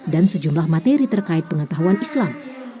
dan sejumlah materi terkait pengetahuan islam